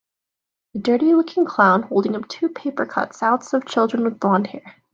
a dirty looking clown holding up two paper cut outs of children with blondhair